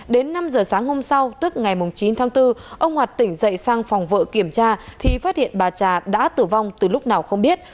đến năm giờ sáng hôm sau tức ngày chín tháng bốn ông hoạt tỉnh dậy sang phòng vợ kiểm tra thì phát hiện bà trà đã tử vong từ lúc nào không biết